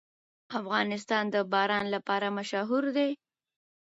افغانستان د باران لپاره مشهور دی.